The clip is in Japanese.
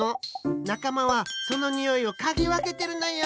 なかまはそのにおいをかぎわけてるのよ！